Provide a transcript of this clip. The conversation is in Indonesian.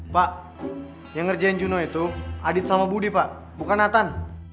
pak yang ngerjain juno itu adit sama budi pak bukan nathan